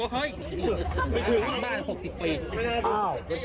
เฮ้ยไม่คิดว่าบ้าน๖๐ปี